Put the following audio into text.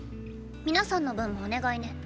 皆さんの分もお願いね。